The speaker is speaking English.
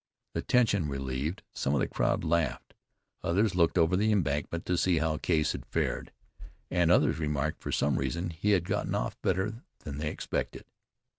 The tension relieved, some of the crowd laughed, others looked over the embankment to see how Case had fared, and others remarked that for some reason he had gotten off better than they expected.